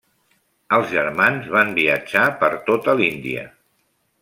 Els germans van viatjar per tota l'Índia.